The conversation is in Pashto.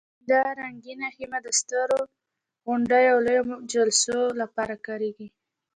دا رنګینه خیمه د سترو غونډو او لویو جلسو لپاره کارېږي.